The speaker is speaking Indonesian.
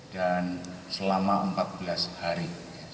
dan selama empat belas hari